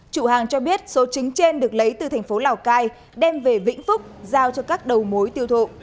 chủ hàng cho biết số trứng trên được lấy từ thành phố lào cai đem về vĩnh phúc giao cho các đầu mối tiêu thụ